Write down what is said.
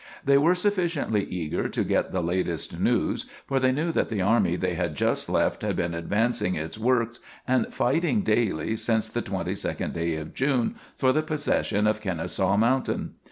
They were sufficiently eager to get the latest news, for they knew that the army they had just left had been advancing its works and fighting daily since the twenty second day of June for the possession of Kenesaw Mountain.